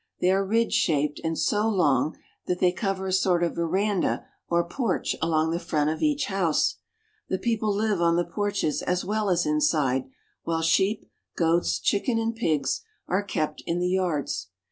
They are ridge shaped and so long that they cover a sort of veranda or porch along the front of each house. The people live on the porches as well as inside, while sheep, goats, chickens, and pigs are kept in the yards.